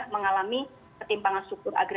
mengalami ketimpangan struktur agraria